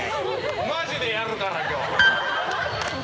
マジでやるから今日。